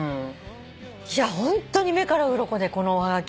いやホントに目からうろこでこのおはがき。